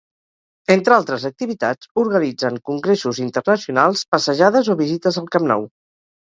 Entre altres activitats organitzen congressos internacionals, passejades o visites al Camp Nou.